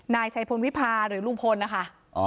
นายชัยพลวิพาหรือลุงพลนะคะ